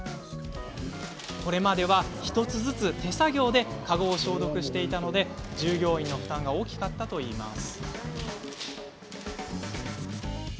これまでは１つずつ手作業でカゴを消毒していたため従業員の負担が大きかったといいます。